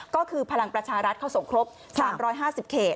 ก็คือพลังประชารัฐเขาส่งครบ๓๕๐เขต